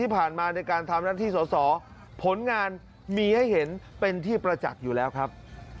ที่ผ่านมาในการทำนักธิสอสรผลงานมีให้เห็นเป็นที่ประจักษ์อยู่แล้วครับ